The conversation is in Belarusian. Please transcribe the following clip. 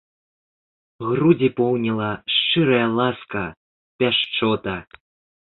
Грудзі поўніла шчырая ласка, пяшчота.